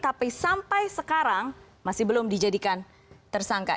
tapi sampai sekarang masih belum dijadikan tersangka